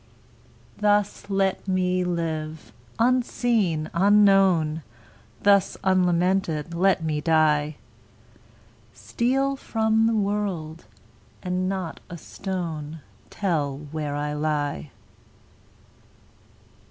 Thus let me live, unseen, unknown; Thus unlamented let me die; Steal from the world, and not a stone Tell where I lie.